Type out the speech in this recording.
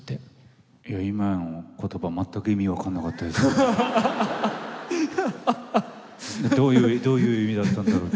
どういう意味だったんだろう。